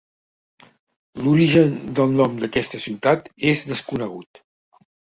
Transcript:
L'origen del nom d'aquesta ciutat és desconegut.